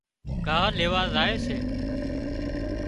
ڳاه ليوا زائي سي